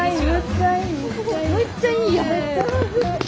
めっちゃいいやん！